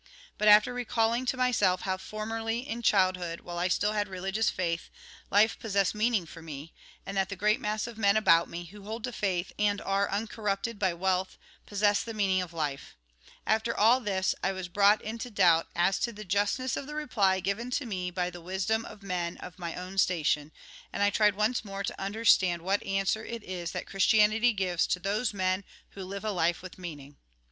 But after recalling to myself how formerly, in childhood, while I still had religious faith, life possessed meaning for me ; and that the great mass of men about me, who hold to faith and are un corrupted by wealth, possess the meaning of life : after all this, I was brought into doubt as to the justness of the reply given to me by the wisdom of men of my own station, and I tried once more to understand what answer it is that Christianity gives to those men who live a life with meaning.